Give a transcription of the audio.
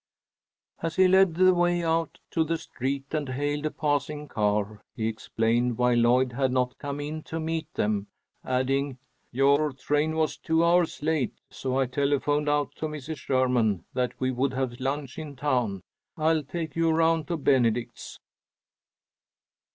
As he led the way out to the street and hailed a passing car, he explained why Lloyd had not come in to meet them, adding, "Your train was two hours late, so I telephoned out to Mrs. Sherman that we would have lunch in town. I'll take you around to Benedict's."